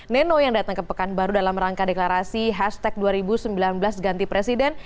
neno yang datang ke pekanbaru dalam rangka deklarasi hashtag dua ribu sembilan belas ganti presiden